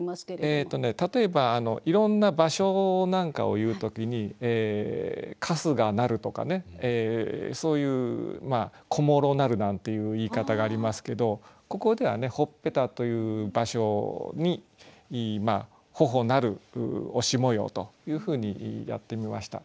例えばいろんな場所なんかを言う時に「春日なる」とかねそういう「小諸なる」なんていう言い方がありますけどここではねほっぺたという場所にまあ頬なる押し模様というふうにやってみました。